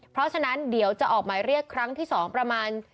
เพราะฉะนั้นเดี๋ยวจะออกหมายเรียกครั้งที่๒ประมาณ